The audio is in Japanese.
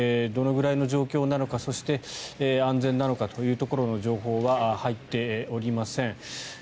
どのくらいの状況なのかそして安全なのかというところの情報は入っておりません。